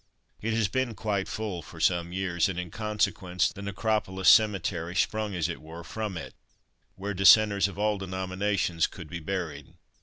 It has been quite full for some years, and in consequence the Necropolis Cemetery sprung as it were from it, where dissenters of all denominations could be buried.